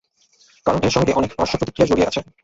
কারণ এর সঙ্গে অনেক পার্শ্বপ্রতিক্রিয়া জড়িয়ে আছে।